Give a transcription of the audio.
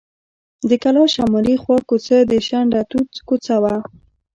د کلا شمالي خوا کوڅه د شنډه توت کوڅه وه.